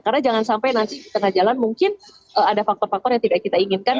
karena jangan sampai nanti di tengah jalan mungkin ada faktor faktor yang tidak kita inginkan